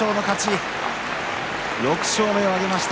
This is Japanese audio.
６勝目を挙げました。